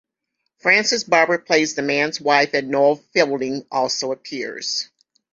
Frances Barber plays the man's wife, and Noel Fielding also appears.